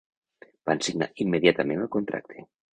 Van signar immediatament el contracte.